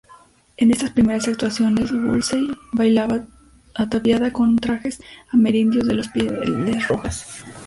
En estas primeras actuaciones, Woolsey bailaba ataviada con trajes amerindios de los pieles rojas.